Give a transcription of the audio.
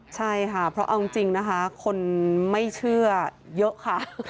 ใช่ค่ะเพราะเอาจริงนะคะคนไม่เชื่อเยอะค่ะ